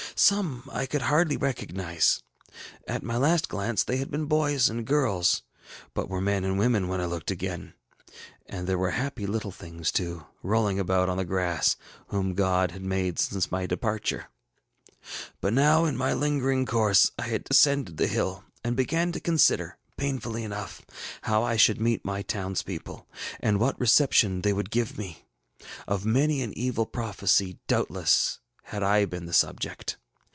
Some I could hardly recognize; at my last glance they had been boys and girls, but were young men and women when I looked again; and there were happy little things too, rolling about on the grass, whom God had made since my departure. ŌĆ£But now, in my lingering course I had descended the bill, and began to consider, painfully enough, how I should meet my townspeople, and what reception they would give me. Of many an evil prophecy, doubtless, had I been the subject.